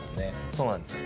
そうなんですよ。